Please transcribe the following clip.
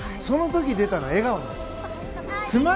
その時、出たのは笑顔なんです。